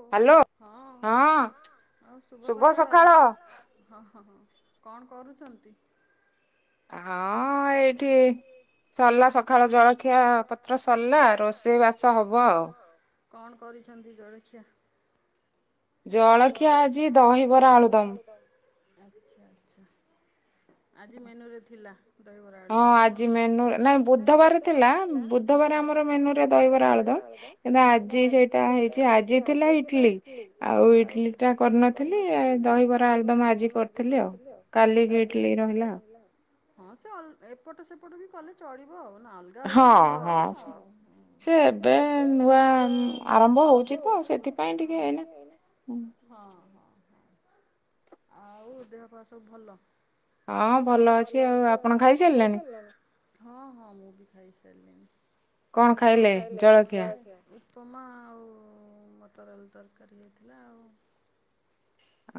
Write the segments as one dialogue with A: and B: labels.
A: Hello ହଁ ହଁ ଆଉ ଶୁଭ ସକାଳ ହଁ ହଁ। କଣ କରୁଛନ୍ତି?
B: ହଁ ଏଇଠି ଏଇ ସରିଲା ସକାଳ ଜଳଖିଆ ପତ୍ର ସରିଲା ରୋଷେଇ ବାସ ହବ ଆଉ।
A: କଣ କରିଛନ୍ତି ଜଳଖିଆ?
B: ଜଳଖିଆ ଆଜି ଦହିବରା ଆଳୁ ଦମ୍।
A: ଆଚ୍ଛା ଆଚ୍ଛା। ଆଜି ମେନୁ ରେ ଥିଲା। ଦହି ବରା ଆଳୁ ଦମ୍ ନା ହଁ ଆଜି ମେନୁରେ ବୁଧବାର ଥିଲା ବୁଧବାର ଆମର ମେନୁ ରେ ଦହିବରା ଆଳୁ ଦମ୍ ହେଲେ ଆଜି ସେଇଟା ହେଇଛି ଆଜି ହେଇଥିଲା ଇଟିଲି। ହଁ ଆଉ ଇଟଲି ଟା କରିନଥିଲି ଦହିବରା ଆଳୁ ଦମ୍ ଆଜି କରିଥିଲି ଆଉ କାଲି ବି ଇଟଲି ହେଇନଥିଲା ଆଉ। ହଁ ସେ ଏପଟ ସେପଟ ବି କଲେ ଚଳିବ। ନ ହେଲେ ଅଲଗା ଅଲଗା ହେଲେ ହେଲା ଆଉ ସେ ଏବେ ନୂଆ ଆରମ୍ଭ ହଉଛି ତ ସେଇଥିପାଇଁ ଟିକେ ଏଇନେ ହଁ। ଆଉ ଦେହ ପା ସବୁ ଭଲ? ହଁ ଭଲ ଅଛି ଆଉ ଆପଣ ଖାଇସାରିଲେଣି ହଁ ହଁ ମୁଁ ବି ଖାଇସା ସାରିଲେଣି।
B: କଣ ଖାଇଲେ ଜଳଖିଆ?
A: ଉପମା ଆଉ ମଟର ଆଳୁ ତରକାରୀ ହେ ହେଇଥିଲା ଆଉ।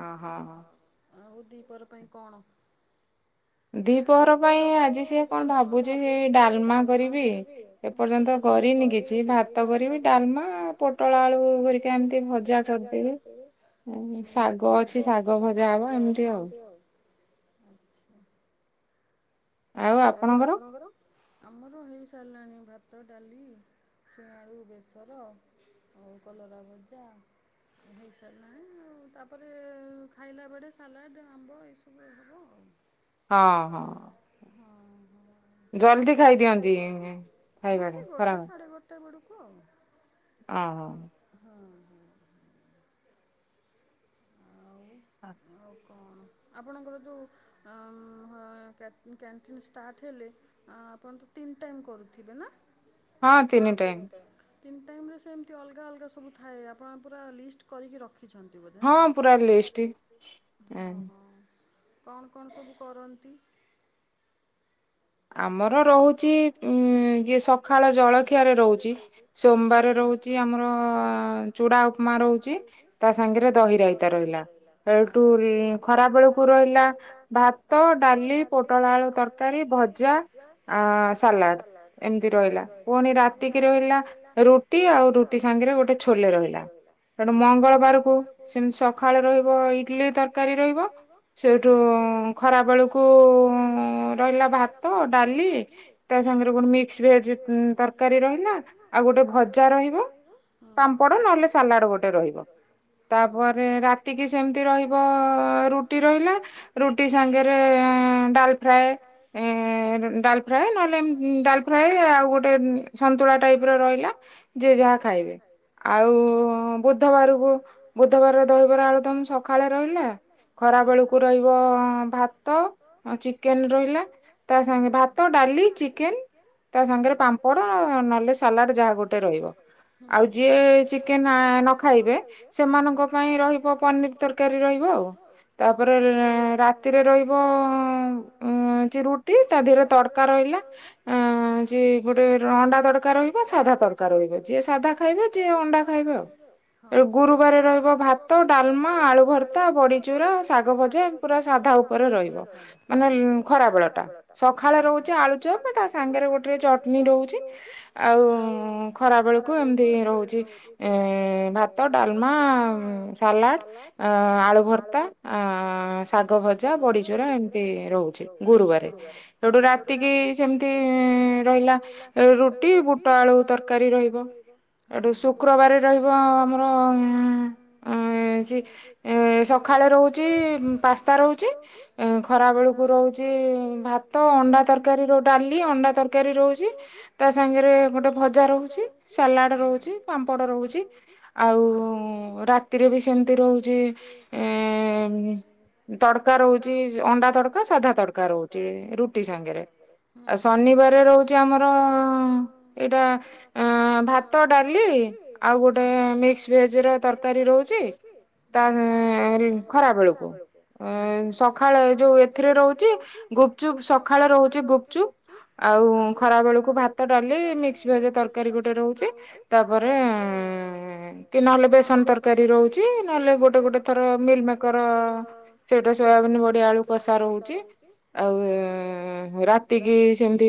B: ଓ ହୋ।
A: ଆଉ ଦିପହର ପାଇଁ କଣ? ଦି ପହର ପାଇଁ ଆଜି ସେଇ କଣ ଭାବୁଛି ଡାଲମା କରିବି ଏପର୍ଯ୍ୟନ୍ତ କରିନି କିଛି ଭାତ କରିବି ଡାଲମା ପୋଟଳ ଆଳୁ ଘରିକା ଏମିତି ଭଜା କରିଦେବି ଶାଗ ଅଛି ଶାଗ ଭଜା ହବ ଏମତି ଆଉ।
B: ଆଉ ଆ ଆପଣଙ୍କର?
A: ଆମର ହେଇସାରିଲାଣି ଭାତ ଡାଲି ଛୁଇଁ ଆଳୁ ବେସର ଆଉ କଲରା ଭଜା ହେଇସାରିଲାଣି ଆଉ ତାପରେ ଖାଇଲା ବେଳେ ସାଲାଡ଼୍ ଆମ୍ବ ଏସବୁ ହବ ଆଉ।
B: ହଁ ହଁ ହଁ। ଜଲଦି ଖାଇଦିଅନ୍ତି ଖାଇବା ଟା ଖରାବେଳେ। ଓ ହୋ। ହଁ।
A: କଣ ଆପଣଙ୍କର ଯେଉଁ କ୍ୟାଣ୍ଟିନ୍ ଷ୍ଟାର୍ଟ ହେଲେ ଆପଣ ତ ତିନି ଟାଇମ୍ କରୁଥିବେ ନା?
B: ହଁ ତିନି ଟାଇମ୍।
A: ତିନି ଟାଇମ ରେ ସେମିତି ଅଲଗା ଅଲଗା ସବୁ ଥାଏ ଆପଣ ପୁରା ଲିଷ୍ଟ କରିକି ରଖ ରଖିଛନ୍ତି ବୋଧେ ନା?
B: ହାଁ।
A: କଣ କଣ ସବୁ କରନ୍ତି?
B: ଆମର ରହୁଛି ଉ ଇଏ ସକାଳ ଜଳଖିଆରେ ରହୁଛି, ସୋମବାର ରହୁଛି ଆମର ଚୂଡା ଉପମା ରହୁଛି, ତା ସାଙ୍ଗରେ ଦହି ରାଇତା ରହିଲା, ହେଟୁ ଖରା ବେଳକୁ ରହିଲା ଭାତ, ଡାଲି, ପୋଟଳ ଆଳୁ ତରକାରୀ ଭ ଯା [unintelligible]
A: ଆ ସାଲାଡ ସେମତି ରହିଲା, ପୁଣି ରାତିକି ରହିଲା ରୁଟି ଆଉ ରୁଟି ସାଙ୍ଗରେ ଗୋଟେ ଛୋଲେ ରହିଲା, ମଙ୍ଗଳବାର କ ସକାଳେ ରହିବ ଇଡଲି ତରକାରୀ ରହିବ ସେଠୁ ଖରା ବେଳକୁ ରହିଲା ଭା
B: ଡାଲି
A: ଡାଲି ତା ସାଙ୍ଗରେ ଗୋଟେ ମିକ୍ସ ଭେଜ ତରକାରୀ ରହିଲା ଆଉ ଗୋଟେ ଭଜା ରହିବ ପାମ୍ପଡ ନହେଲେ ସାଲାଡ ଗୋଟେ ରହିବ, ତାପରେ ରାତିକି ସେମତି ରହିବ ରୁଟି ରହିଲା ରୁଟି ସାଙ୍ଗରେ ଡାଲ ଫ୍ରାଏ
B: ଏ-ଏ ଡାଲ ଫ୍ରାଏ ଫ୍ରାଏ ନହେଲେ ଡାଲ ଫ୍ରାଏ ଆଉ ଗୋଟେ ସନ୍ତୁଳା ଟାଇପ ର ରହିଲା ଯ ଯାହା ଖାଇବେ ଆଉ ବୁଧବାରକୁ ବୁଧବାର ଦହିବରା ଆଳୁ ସକାଳେ ରହିଲା ଖରା ବେଳକୁ ରହିବ ଭାତ ଚିକେନ ରହିଲା। ତା ସାଙ୍ଗେ ଭାତ ଡ଼ା
A: ଡାଲି ଚିକେନ ତା ସାଙ୍ଗରେ ପାମ୍ପଡ ନହେଲେ ସାଲାଡ୍ ଯାହା ବି ଗୋଟେ ରହିବ ଆଉ, ଯିଏ ଚିକେନ ନ ଖାଇବେ ସେମାନଙ୍କ ପାଇଁ ରହିବ ପନିର ତରକାରୀ ରହିବ ଆଉ, ତାପରେ ରାତିରେ ରହିବ ରୁଟି ତା ଦେହରେ
B: ରହିଲା ଆ ଯଏ ଗୋଟେ ଅଣ୍ଡା ତରକା ରହିବ। ସାଧା ତରକାର ରହିବ। ଯିଏ ସାଧା ଖାଇବେ ଯିଏ ଅଣ୍ଡା ଖାଇବେ। ଆଉ ଗୁରୁବାର ରହିବ ଭାତ, ଡାଲମା, ଆଳୁଭର୍ତ୍ତା, ବଡିଚୁରା, ଶାଗଭଜା, ପୁରା ସାଧା ଉପରେ ରହିବ। ମାନେ ଖରାବେଳ ଟା ସକାଳରୁ ଛି ଆଳୁଚପ ତା ସାଙ୍ଗରେ ଗୋଟେ ଚଟନୀ ରହୁଛି। ଆଉ ଖରା ବେଳକୁ ଏମତି ରହୁଛି ଭାତ, ଡାଲମା, ସାଲାଡ, ଆଳୁଭର୍ତା, ଶାଗଭଜା, ବଡିଚୋରା ଏମିତି ରହୁଛି ଗୁରୁବାରେ।
A: ହଁ।
B: ଏତିକି ସେମିତି ରହିଲା ରୁଟି, ବୁଟଆଳୁ ତରକାରୀ ରହିବ। ଏଠୁ ଶୁକ୍ରବାର ରହିବ ଆମର ସଖଳେ ରହୁଛି ପାସ୍ତା ରହୁଛି। ଖରା ବେଳକୁ ରହୁଛି ଭାତ ଭା, ଅଣ୍ଡା ତରକାରୀ ର ଡାଲି, ଅଣ୍ଡା ତରକାରୀ ରହୁଛି। ତା ସାଙ୍ଗରେ ଗୋଟେ ଭଜା ରହୁଛି ସାଲାଡ ରହୁଛି ପାମ୍ପଡ଼ ରହୁଛି। ଆଉ ରାତିରେ ବି ସେମିତି ରହୁଛି ଏ ତଡକା ରହୁଛି ଅଣ୍ଡା ତଡକା, ସାଧା ତଡକା ରହୁଛି। ରୁଟି।
A: ରୁଟି ସାଙ୍ଗରେ ଶନିବାର ରହୁଛି। ଆମର ଏଟା ଭାତ, ଡାଲି ଆଉ ଗୋଟେ ମିକ୍ସ ଭେଜ ତରକାରୀ ରହୁଛି ଖରା ବେଳକୁ ଆଜ୍ଞା ଆଜ୍ଞା ସକାଳେ ରହୁଚି
B: ଗୁପଚୁପ୍ ସକାଳେ ରହୁଛି ଗୁପଚୁପ୍। ଆଉ ଖରା ବେଳକୁ ଭାତ, ଡାଲି, ମିକ୍ସଭେଜ ତରକାରୀ ଗୋଟେ ରହୁଛି। ତାପରେ କି ନହେଲେ ବେସନ ତରକାରୀ ରହୁଛି। ନହେଲେ ଗୋଟେ ଗୋଟେ ଥର ମିଲ୍ ମେକର ସେଟା ସୋୟାବିନ ବଡିଆ ଆଳୁକଷା ରହୁଛି। ଆଉ ରାତି କିି ସେମିତି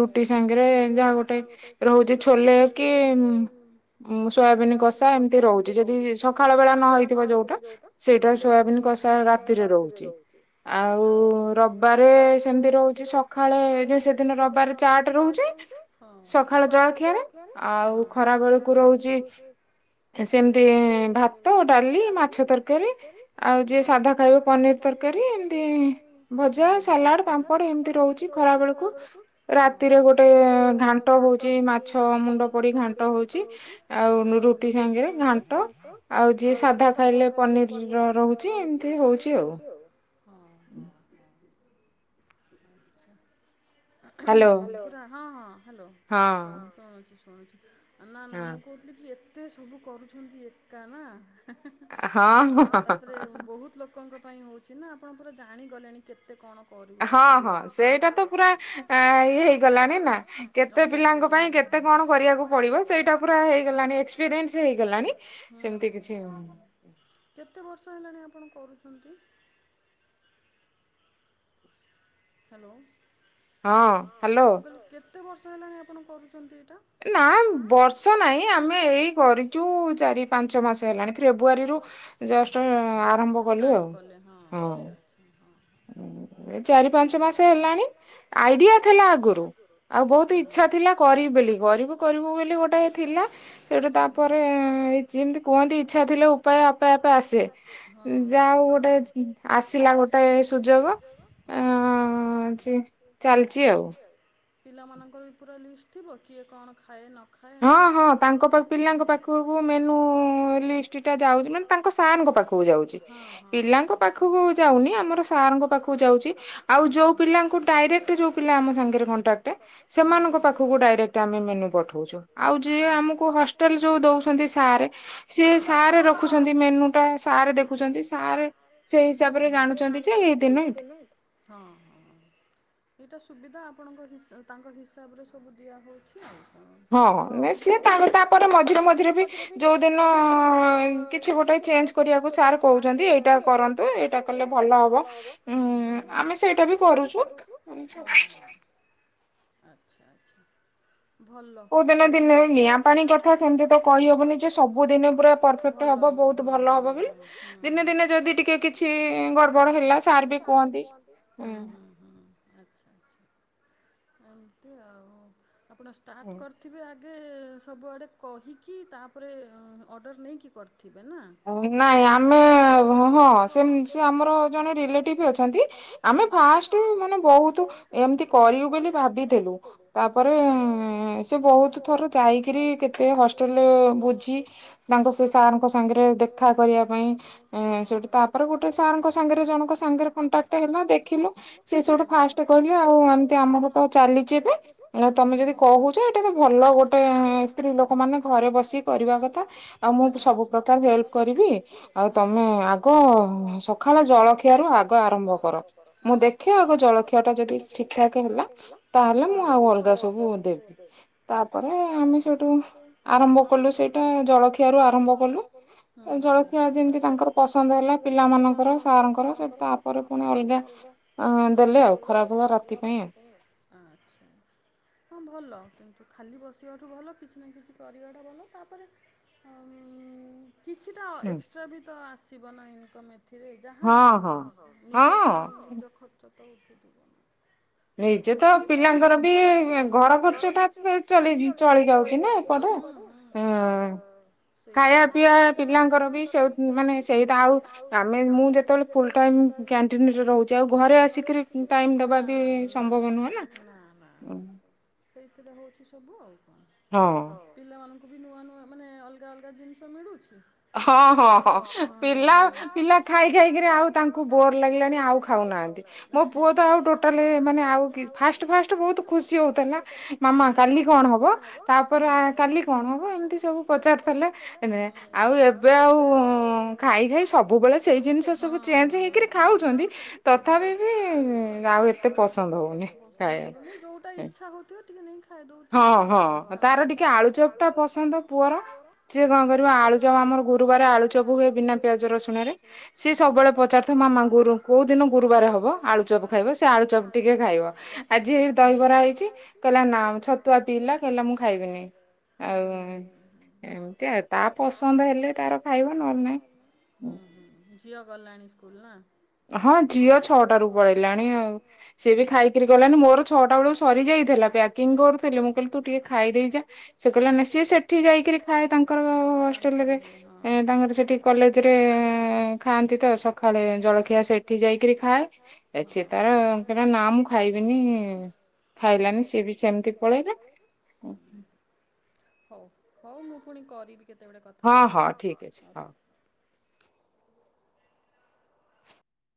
B: ରୁଟି ସାଙ୍ଗରେ ଯାହା ଗୋଟେ ରହୁଛି, ଛୋଲେ କି ସୋୟାବିିନ କଷା ଏମିତି ରହୁଛି ଯଦି ସକାଳ ବେଳା ନ ହେଇଥିବ ଯୋଉଟା ସେଇଟା ସୋୟାବିିନ କଷା ରାତିରେ ରହୁଛି ଆଉବ। ବରେ
A: ରବାରେ ସେମିତି ରହୁଛି। ସକାଳେ ସେଦିନ ରବାରେ ଚାଟ ରହୁଛି। ସକାଳେ ଜଳଖିଆରେ ଆଉ ଖରା ବେଳକୁ ରହୁଛି, ସେମିତି ଭାତ, ଡାଲି, ମାଛ ତରକାରୀ। ଆଉ ଯିଏ ସାଧା ଖାଇବେ ପନିର ତରକାରୀ ଏମତି।
B: ଜ
A: ସାଲାଡ ପାମ୍ପଡ଼ ଏମିତି ରହୁଛି। ଖରା ବଳକୁ ରାତିରେ ଗୋଟେ, ଘାଣ୍ଟ ହଉଛି ମାଛ ମୁଣ୍ଡ ପଡି ଘାଣ୍ଟ ହଉଛି। ଆଉ ରୁଟି ସାଙ୍ଗେ ଘାଣ୍ଟ ଆଉ ଯିଏ ସାଧା ଖାଇଲେ, ପନିର ରହୁଛି ଏମିତି ହଉଛି ଆଉ।
B: ହୁଁ।
A: ଆଚ୍ଛା। ହଁ ହଁ ହ୍ୟାଲୋ ଶୁଣ। ହଞ୍ଚ। ନା ନା ମୁଁ କଉଠି କି ଏ। ମତେ ସବୁ କରୁଛନ୍ତି, ଏକା ନା।
B: ହଁ [inaudible]
A: ଛି, ନା ଆପଣ ପୁରା ଜାଣିଗଲେଣି କେତେ କଣ?
B: ହଁ ହଁ ସେଇଟା ତ ପୁରା। ଆ ଇ ହେଇଗଲାଣି ନା, କେତେ ପିଲାଙ୍କ ପାଇଁ କେତେ କଣ କରିବାକୁ ପଡିବ। ସେଇଟା ପୁରା ହେଇଗଲାଣି ଏକ୍ସପିରିଏସ ହେଇଗଲାଣି। ସେମିତି କିଛି
A: କଣ ଆପଣ କରୁଛନ୍ତି [inaudible] ହ୍ୟାଲୋ।
B: ହଁ ହ୍ୟାଲୋ।
A: କେତେ ବର୍ଷ ହେଲାଣିି ଆପଣ କରୁଛନ୍ତି
B: ନା ବର୍ଷ ନହିଁ ଆମେ ଏଇ କରିଛୁ ଚାରି ପାଞ୍ଚ ମାସ ହେଲାଣି ଫେବୃୁଆରୀରୁୁ ଜଷ୍ଟ ଆରମ୍ଭ କଲୁ ଆଉ ହଁ। ଏ ଚାରି ପାଞ୍ଚ ମାସ ହେଲାଣି ଆଇଡିଆ ଥିଲା ଆଗରୁ ଆଉ ବହୁତ ଇ୍ଛା ଥିଲା କରିବି ବୋଲି କରିବୁ କରିବୁ ବୋଲି ଗୋଟେ ଥିଲା ସେଇଟା ତାପରେ ଯେମତି କୁହନ୍ତି ଇଛା ଥିଲେ ଉପାୟ ଆପେ ଆପେ ଆସେ ଯାହାଉ ଗୋଟେ ଆସିଲା ଗୋଟେ ସୁଯୋଗ ହଛି ଚାଲିଛି ଆଉ।
A: ପିଲାମାନଙ୍କର ବି ପୁରା ଲିଷ୍ଟ ଥିବ କିଏ କଣ ଖାଏ ନ
B: ହଁ ହଁ ତାଙ୍କ ପାଖ ପିଲାଙ୍କ ପାଖକୁ ମେନୁ ଲିଷ୍ଟ ଟା ଯାଉଛି ମାନେ ତାଙ୍କ ସାର୍ଙ୍କ ପାଖକୁ ଯାଉଛି ପିଲାଙ୍କ ପାଖକୁ ଯାଉନି ଆମର ସାର୍ଙ୍କ ପାଖକୁ ଯାଉଛି। ଆଉ ଯୋଉ ପିଲାଙ୍କୁ ଡାଇରେକ୍ଟ ଯୋଉ ପିଲା ଆମ ସାଙ୍ଗରେ କଣ୍ଟାକ୍ଟ ସେମାନଙ୍କ ପାଖକୁ ଡାଇକ୍ଟ ଆମେ ମେ ପଠଛୁ। ଆଉ ଯିଏ ଆମକୁ ହଷ୍ଟେଲ ଯୋଉ ଦଉଛନ୍ତି ସ ସିଏ ସ ରଖୁଛନ୍ତି ମେନୁ ଟା ସ ଦେଖୁଛନ୍ତି ସାର୍ ସେଇ ହିସାବରେ ଜାଣୁଛନ୍ତି ଯେ ଏଇ ଦିନ ଏଠ
A: ଏଇଟା ସୁବିଧା ଆପଣଙ୍କ ତାଙ୍କ ହିସାବରେ ସବୁ ଦିଆହେଉଛି।
B: ହଁ ସି ତା ତାପରେ ମଝିରେ ମଝିରେ ବି ଯୋଉଦିନ କିଛି ଗୋଟେ ଚେଞ୍ଜ କରିବାକୁ ସାର୍ କହୁଛନ୍ତି ଏଇଟା କରନ୍ତୁ ଏଇଟା କଲେ ଭଲ ହବ। ହୁଁ ଆମେ ସେଇଟା ବି କରୁଛୁ।
A: ଆଚ୍ଛା ଆଚ୍ଛା। ଭଲ ମୁ ଦିନେ ଦିନେ ନିଆଁ ପାଣି କଥା ସେମତି ତ କହିହବନି ଯେ ସବୁ ଦିନ ପ ହ ଦିନେ ଦିନେ ଯଦି ଟିକେ କିଛି ଗଡବ ହେଲା ସ ହୁଁ ହୁଁ ହୁଁ ଆଛା ଆଚ୍ଛା। ଏମତି ଆଉ। ଆପଣ ଷ୍ଟାର୍ଟ କରିଥିବେ ଆଗ ଆଗେ ସବୁଆଡ଼େ କହିକି ତାପରେ ଅର୍ଡ଼ର ନେଇକି କରି [unintelligible]
B: ଆମେ ଫାଷ୍ଟ ମାନେ ବହୁତ ଏମିତି କରିବୁ ବୋଲି ଭାବିଥିଲୁ ତାପରେ ସେ ବହୁତ ଥର ଯାଇକରି କେତେ ହଷ୍ଟେଲରେ ବୁଝି ତାଙ୍କ ସେ ସାର୍ଙ୍କ ସାଙ୍ଗରେ ଦେଖା କରିବା ପାଇଁ ସେଠି ତାପରେ ଗୋଟେ ସାର୍ଙ୍କ ସାଙ୍ଗରେ ଜଣଙ୍କ ସାଙ୍ଗରେ କଣ୍ଟାକ୍ ଗଟ ହେଲା ଦେଖିଲୁ ସେ ସବୁଠୁ ଫାଷ୍ଟ କହିଲି ଆଉ ଏମିତି ଆମର ତ ଚାଲିଛି ଏବେ ତମେ ଯଦି କହୁଛ ଏଇଟା ତ ଭଲ ଗୋଟେ ସ୍ତ୍ରୀ ଲୋକ ମାନେ ଘରେ ବସି କରିବା କଥା ଆଉ ମୁଁ ସବୁ ପ୍ରକାର ହେଲ୍ପ କରିବି ଆଉ ତମେ ଆଗ ସକାଳ ଜଳଖିଆରୁ ଆଗ ଆରମ୍ ଆରମ୍ କର ମୁଁ ଦେଖେ ଆଗ ଜଳଖିଆ ଟା ଯଦି ଠିକ ଠାକ ହେଲା ତାହେଲେ ମୁଁ ଆଉ ଅଲଗା ସବୁ ଦେବି ତାପରେ ଆମେ ସେଇଠୁ ଆରମ୍ଭ କଲୁ ସେଇଟା ଜଳଖିଆ ର ଆରମ୍ଭ କଲୁ। ଜଳଖିଆ ଯେମିତି ତାଙ୍କର ପସନ୍ଦ ହେଲା ପିଲାମାନାନଙ୍କର ସାର୍ଙ୍କର ସେଠି ତାପରେ
A: ଅଲଗା ଦେଲେ ଆଉ ଖରାପ ହେ ରାତି ପାଇଁ ଆଛ ହ ଭଲ। କିନ୍ତୁ ଖାଲି ବସିବାଠୁ ଭଲ କିଛି ନା କିଛି କରିବାଟା ଭଲ ତାପରେ କିଛିଟା ଏକ୍ସଟ୍ରା ବି ତ ଆସିବ। ନକମ ଥିରେ ଯାହା ବିି ହୁ ପାଉନି ନିଜ ଖର୍ଚ। ତଛି ଦିବନ [unintelligible]
B: ହେଇଛ ତ ପିଲାଙ୍କର ବି ଘର ଖର୍ଚ୍ଚ ଟା ଚଳି ଯାଉଛି ନା ଏପଟେ ହଁ। ଖାଇବା ପିଇବା ପିଲାଙ୍କର ବି ସେ ମାନେ ସେଇଟା ଆଉ ଆମେ ମୁଁ ଯେତେବେଳେ ଫୁଲ ଟାଇ।
A: କ୍ୟାଣ୍ଟିନ ରେ ରହୁଛି ଆଉ ଘରେ ଆସିକରି ନା ନା ନା ନା ନା ନା ନା। ସେଇଥିରେ ହେଉଛି ସବୁ ଆଉ।
B: ହଁ।
A: ଙ୍କୁବି ନୂଆ ନୂଆ ମାନେ ଅଲଗା ଅଲଗା ଜିନିଷ ମିଳୁଛି।
B: ହଁ ହଁ ହଁ ପିଲା ପିଲା ଖାଇ ଖାଇକିରି ଆଉ ତାଙ୍କୁ ବୋ। ଭଲ ଲାଗିଲାଣି ଆଉ ଖାଉନାହାନ୍ତି ମୋ ପୁଅ ତ ଆଉ ଟୋଟାଲି ମାନେ ଆଉ ଫାଷ୍ଟ ଫାଷ୍ଟ ବହୁତ ଖୁସି ହୋଉଥିଲା ମାମା କାଲି କଣ ହବ ତାପରେ କାଲି କଣ ହବ ଏମିତି ସବୁ ପଚାରିଥିଲେ। ଆଉ ଏବେ ଆଉ ଖାଇ ଖାଇ ସବୁବେଳେ ସେଇ ଜିନିଷ ସବୁ ଚେଞ୍ଜ ହେଇକିରି।
A: ଯୋଉଟା ଇଛା ହଉିବଥିବ। ଖଇଁ ତାର ଟିକେ ଆଳୁଚପ ଟା ପସନ୍ଦ ପୁଅର ସିଏ କଣ କର ଆଳୁଚପ ଆମର ଗୁରୁବାର ଆଳୁ ଚପ ହୁଏ ବିନା ପିଆଜ ରସୁଣରେ ସିଏ ସବୁବେଳେ ପଚାର।
B: କୋଉ ଦିନ ଗୁରୁବାର ହବ ଆଳୁ ଚପ ଖାଇବ ଆଳୁପ ଟିକ ଖାଇବ ଆଜି ଦହି ବରା ହେଇଚି କହିଲା ନା ଛତୁ।
A: ଛତୁଆ ପିଇଲା କହିଲା ମୁ ଖାଇବିନି ତା ପସନ୍ଦ ହେଲେ ତାର ଖାଇବ ନହେଲେ ନାଇଁ। ଝିଅ ଗଲାଣି ସ୍କୁଲ ନା।
B: ହଁ ଝିଅ ଛଅଟା ରୁ ପଳେଇଲାଣି ଆଉ ସିଏ ବି ଖାଇକିରି ଗହିଲାନି ମୋର ଛଅଟା ବେଳକୁ ସରିଯାଇଥିଲା ପ୍ୟାକିଂ କରୁଥିଲି ମୁଁ କହିଲି ତୁ ଟିକେ ଖାଇ ଦେଇେଇଛା ସେ କହିଲା ନା ସିଏ ସେଠି ଯାଇକିରି ଖାଏ ତାଙ୍କର ହଷ୍ଟେଲ ରେ ତାଙ୍କର ସେଠି କଲେଜରେ ଖାଆନ୍ତି ତ ସକାଳେ। ଜଳଖିଆ ସେଠି ଯାଇକିରି ଖାଏ ସିଏ ତାର ନା ମୁଁ ଖାଇବିନି ଖାଇଲାନି ସିଏ ବି ସେମିତି ପଳେଇଲା।
A: ହୋଉ ମୁଁ ପୁଣି କରିବି କେତେ କେତେବେଳେ କଥା ହବା ଆଉ ର।